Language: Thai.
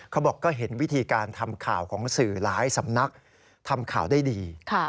เขาบอกก็เห็นวิธีการทำข่าวของสื่อหลายสำนักทำข่าวได้ดี